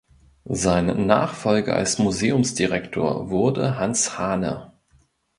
Sein Nachfolger als Museumsdirektor wurde Hans Hahne.